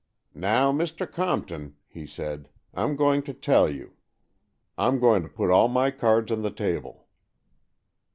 " Now, Mr. Compton," he said, " Pm going to tell you. Pm going to put all my cards on the table."